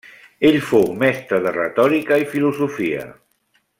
Ell fou mestre de retòrica i filosofia.